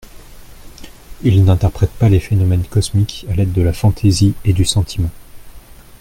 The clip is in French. Il n'interprète pas les phénomènes cosmiques à l'aide de la fantaisie et du sentiment.